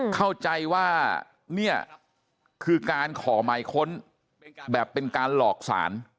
เข้าใจว่านี่คือการขอหมายค้นแบบเป็นการหลอกสาร